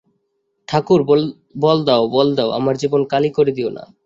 ঠাকুর, বল দাও, বল দাও, আমার জীবন কালি করে দিয়ো না।